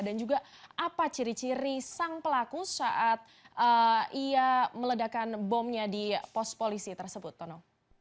dan juga apa ciri ciri sang pelaku saat ia meledakan bomnya di pos polisi tersebut tono